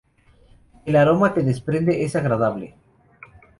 El aroma que desprende es agradable.